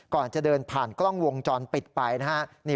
ก่อนจะเดินผ่านกล้องวงจรปิดไปนะฮะ